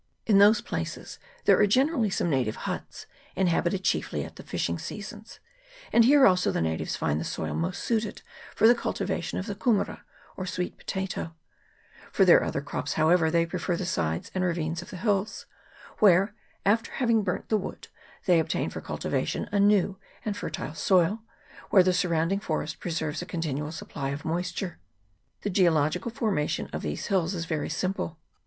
In these places there are generally some native huts, inhabited chiefly at the fishing seasons ; and here also the natives find the soil most suited for the cultivation of the kumera, or sweet potato : for their other crops, however, they prefer the sides and ravines of the hills, where, after having burned the wood, they obtain for cultivation a new and 26 QUEEN CHARLOTTE'S SOUND. [PART i. fertile soil, where the surrounding forest preserves a continual supply of moisture. The geological formation of these hills is very simple.